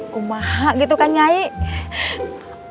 kumaha gitu kan aku